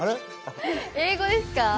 英語ですか？